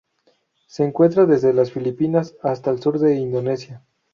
Se encuentra desde las Filipinas hasta el sur de Indonesia.